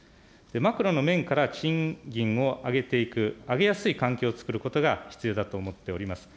マクロの面から賃金を上げていく、上げやすい環境を作ることが必要だと思っております。